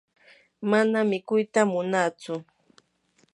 mana mikuyta munatsu.